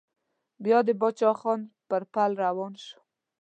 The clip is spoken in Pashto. بيا د پاچا خان پر پل روان شو.